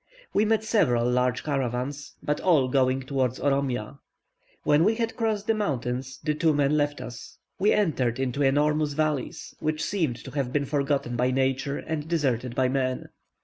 We met several large caravans, but all going towards Oromia. When we had crossed the mountains, the two men left us. We entered into enormous valleys, which seemed to have been forgotten by nature, and deserted by man.